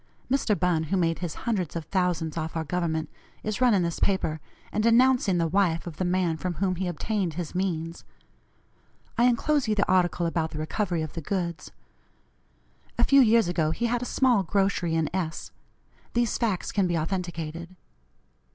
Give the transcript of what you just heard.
Mr. Bunn, who made his hundreds of thousands off our government, is running this paper, and denouncing the wife of the man from whom he obtained his means. I enclose you the article about the recovery of the goods. A few years ago he had a small grocery in S . These facts can be authenticated.